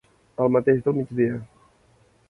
El mateix del migdia.